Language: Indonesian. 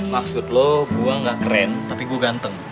maksud lo gua gak keren tapi gue ganteng